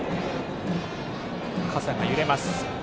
傘が揺れます。